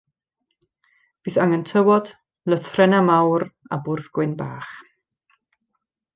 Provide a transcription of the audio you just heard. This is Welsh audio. Bydd angen tywod, lythrennau mawr, a bwrdd gwyn bach.